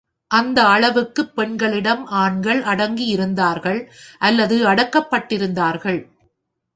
அந்த அளவுக்கு பெண்களிடம் ஆண்கள் அடங்கியிருந்தார்கள், அல்லது அடக்கப்பட்டிருந்தார்கள்.